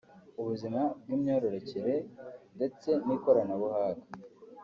ubuzima bw’imyororokere ndetse n’ikoranabuhanga